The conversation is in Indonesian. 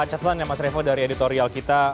catelan dari mas refo dari editorial kita